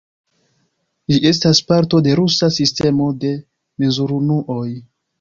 Ĝi estas parto de rusa sistemo de mezurunuoj.